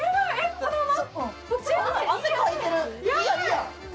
このまま？